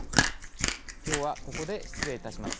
きょうは、ここで失礼いたします。